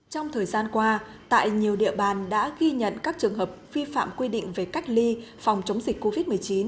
trong thời gian qua tại nhiều địa bàn đã ghi nhận các trường hợp vi phạm quy định về cách ly phòng chống dịch covid một mươi chín